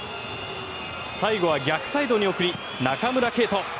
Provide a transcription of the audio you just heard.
最後は逆サイドに送り中村敬斗。